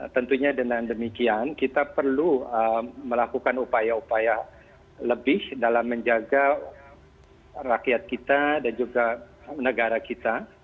tentunya dengan demikian kita perlu melakukan upaya upaya lebih dalam menjaga rakyat kita dan juga negara kita